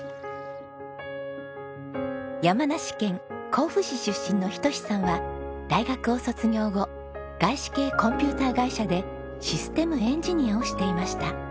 山梨県甲府市出身の仁さんは大学を卒業後外資系コンピューター会社でシステムエンジニアをしていました。